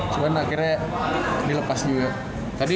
cuman akhirnya dilepas juga